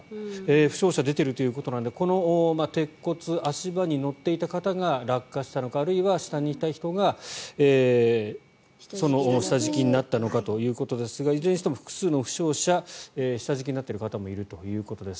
負傷者出ているということなのでこの鉄骨、足場に乗っていた方が落下したのかあるいは下にいた人がその下敷きになったのかということですがいずれにしても複数の負傷者下敷きになっている方もいるということです。